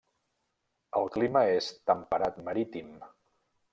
El clima és temperat marítim.